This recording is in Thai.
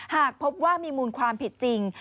หากพบว่ามีมูลความผิดจริง